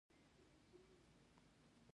نستعلیق د دوی ښکلی خط دی.